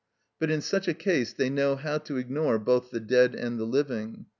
But in such a case they know how to ignore both the dead and the living.